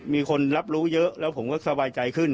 มีคนรับรู้เยอะแล้วผมก็สบายใจขึ้น